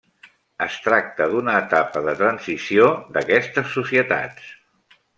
Es tracta d'una etapa de transició d'aquestes societats.